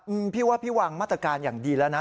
อืมพี่ว่าพี่วางมาตรการอย่างดีแล้วนะ